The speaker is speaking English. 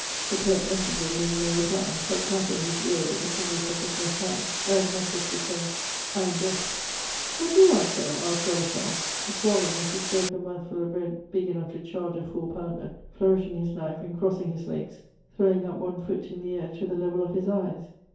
The pert messenger made no reply, but patted his ear with the fingers of his left hand, as much as to say, "I am deaf." "What do you want, sir?" asked Godeschal, swallowing as he spoke a mouthful of bread big enough to charge a four pounder, flourishing his knife and crossing his legs, throwing up one foot in the air to the level of his eyes.